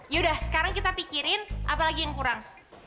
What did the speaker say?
yaudah sekarang kita pikirin apa lagi yang kurang